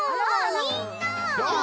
みんな。